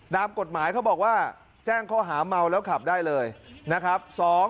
ตามกฎหมายเขาบอกว่าแจ้งข้อหาเมาแล้วขับได้เลยนะครับ